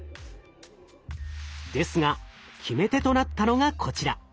ですが決め手となったのがこちら。